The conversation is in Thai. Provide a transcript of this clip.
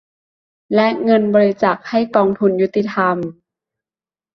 และเงินบริจาคให้กองทุนยุติธรรม